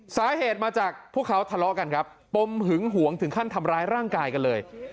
สาเหตุมาจากพวกเขาทะเลาะกันครับปมหึงหวงถึงขั้นทำร้ายร่างกายกันเลย